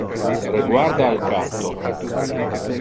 Reguarda al catto.